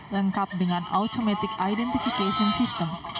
lengkap dengan automatic identification system